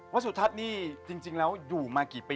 สุทัศน์นี่จริงแล้วอยู่มากี่ปี